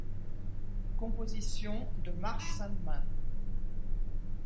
Compositions de Mark Sandman.